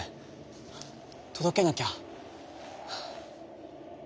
とどけなきゃ」。